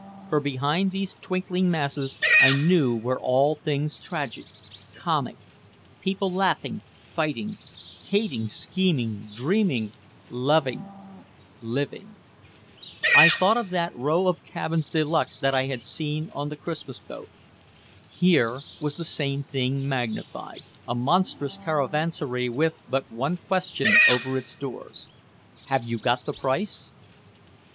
For behind these twinkling masses I knew were all things tragic, comic people laughing, fighting, hating, scheming, dreaming, loving, living. I thought of that row of cabins de luxe that I had seen on the Christmas boat. Here was the same thing magnified, a monstrous caravansary with but one question over its doors: "Have You Got the Price?"